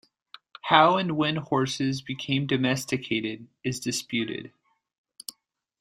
How and when horses became domesticated is disputed.